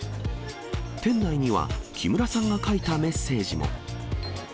店内には、木村さんが書いたメッセージも。